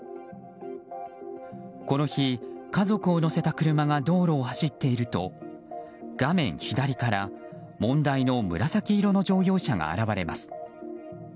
この日、家族を乗せた車が道路を走っていると画面左から問題の紫色の乗用車が現れます。